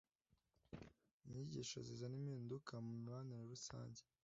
inyigisho zizana impinduka mu mibanire rusange